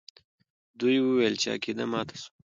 دوی وویل چې عقیده ماته سوه.